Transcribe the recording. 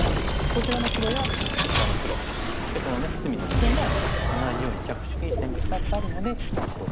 こちらの黒やこちらの黒そしてこの隅の黒も同じように着手禁止点が２つあるので白から手出しができない。